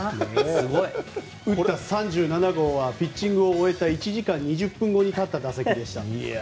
すごい。打った３７号はピッチングを終えた１時間２０分後に立った打席でした。